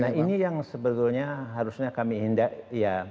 nah ini yang sebetulnya harusnya kami hindari